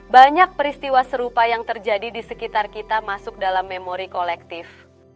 banyak peristiwa serupa yang terjadi di sekitar kita masuk dalam memori kolektif